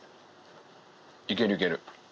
いけるいける。